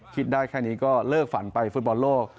คิดได้แค่นี้ก็เลิกฝันไปฟุตบอลโลก